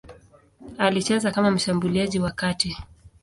Alicheza kama mshambuliaji wa kati.